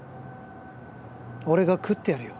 俺が喰ってやるよ